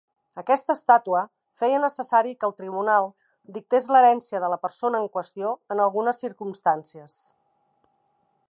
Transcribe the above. Aquesta estàtua feia necessari que el tribunal dictés l"herència de la persona en qüestió en algunes circumstàncies.